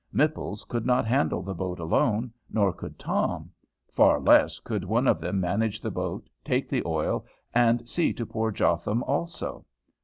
Mipples could not handle the boat alone, nor could Tom; far less could one of them manage the boat, take the oil, and see to poor Jotham also.